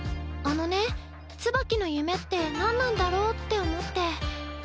あのねツバキの夢って何なんだろうって思って。